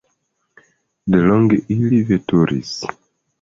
Delonge ili veturis.